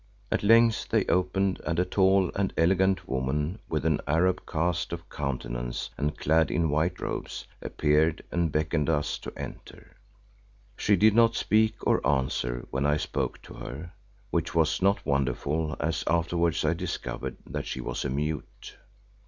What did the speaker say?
At length they opened and a tall and elegant woman with an Arab cast of countenance and clad in white robes, appeared and beckoned to us to enter. She did not speak or answer when I spoke to her, which was not wonderful as afterwards I discovered that she was a mute.